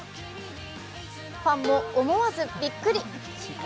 ファンも思わずびっくり。